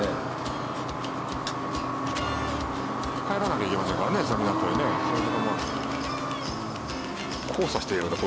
帰らなきゃいけませんからその港にね。交差しているような。